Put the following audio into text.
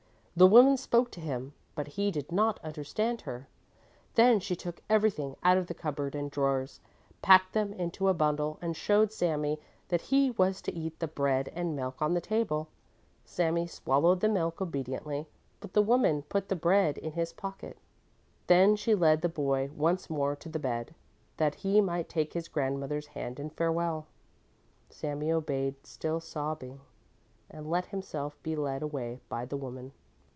The woman spoke to him, but he did not understand her. Then she took everything out of the cupboard and drawers, packed them into a bundle and showed Sami that he was to eat the bread and milk on the table. Sami swallowed the milk obediently, but the woman put the bread in his pocket. Then she led the boy once more to the bed, that he might take his grandmother's hand in farewell. Sami obeyed still sobbing, and let himself be led away by the woman.